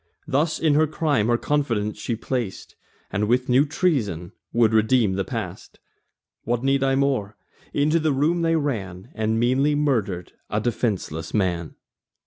Thus in her crime her confidence she plac'd, And with new treasons would redeem the past. What need I more? Into the room they ran, And meanly murder'd a defenceless man.